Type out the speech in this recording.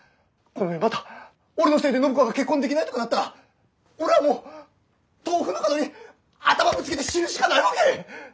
この上また俺のせいで暢子が結婚できないとかなったら俺はもう豆腐の角に頭をぶつけて死ぬしかないわけ！